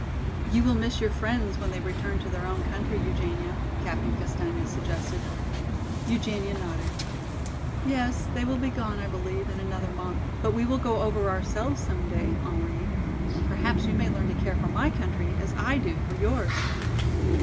"You will miss your friends when they return to their own country, Eugenia," Captain Castaigne suggested. Eugenia nodded. "Yes, they will be gone, I believe, in another month. But we will go over ourselves some day, Henri, and perhaps you may learn to care for my country as I do for yours."